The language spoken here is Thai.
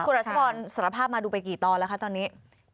คุณรัชพรสารภาพมาดูไปกี่ตอนแล้วคะตอนนี้